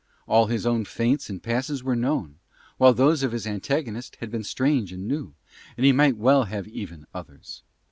All his own feints and passes were known, while those of his antagonist had been strange and new, and he might well have even others.